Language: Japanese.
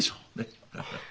ハハハ。